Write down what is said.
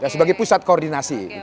sebagai pusat koordinasi